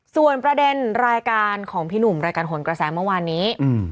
ส่วนประเด็นรายการของพี่หนุ่มรายการหนกระแสเมื่อวานนี้